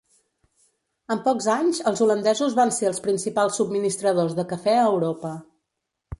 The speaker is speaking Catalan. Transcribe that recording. En pocs anys els holandesos van ser els principals subministradors de cafè a Europa.